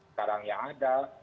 sekarang yang ada